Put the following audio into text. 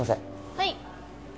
はい。